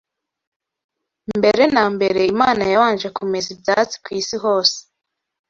Mbere na mbere Imana yabanje kumeza ibyatsi ku isi hose